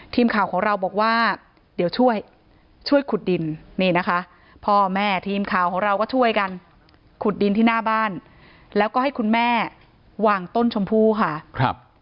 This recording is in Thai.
ทีมข่าวของเราบอกว่าเดี๋ยวช่วยช่วยขุดดินนี่นะคะพ่อแม่ทีมข่าวของเราก็ช่วยกันขุดดินที่หน้าบ้านแล้วก็ให้คุณแม่วางต้นชมพู่ค่ะครับ